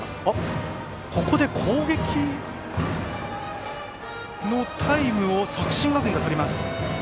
ここで攻撃のタイムを作新学院がとります。